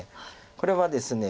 これはですね